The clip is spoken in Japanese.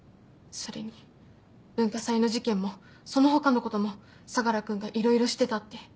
それに文化祭の事件もその他のことも相楽君がいろいろしてたって。